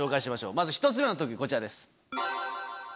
まず１つ目の特技こちらです。